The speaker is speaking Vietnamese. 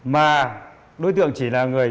mà đối tượng chỉ là người